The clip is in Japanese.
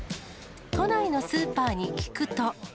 都内のスーパーに聞くと。